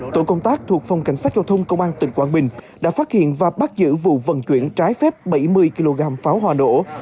tổ công tác thuộc phòng cảnh sát giao thông công an tỉnh quảng bình đã phát hiện và bắt giữ vụ vận chuyển trái phép bảy mươi kg pháo hoa nổ